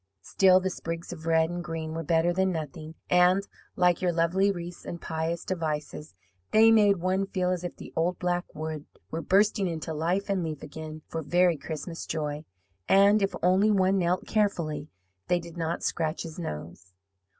Still, the sprigs of red and green were better than nothing, and, like your lovely wreaths and pious devices, they made one feel as if the old black wood were bursting into life and leaf again for very Christmas joy; and, if only one knelt carefully, they did not scratch his nose.